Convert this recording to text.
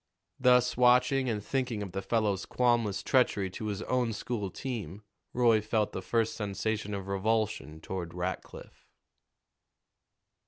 Thus watching and thinking of the fellow's qualmless treachery to his own school team, Roy felt the first sensation of revulsion toward Rackliff.